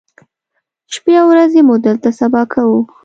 شپې او ورځې مو دلته سبا کوو.